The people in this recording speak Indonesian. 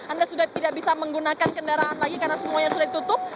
anda sudah tidak bisa menggunakan kendaraan lagi karena semuanya sudah ditutup